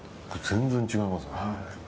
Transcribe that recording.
全然違いますね。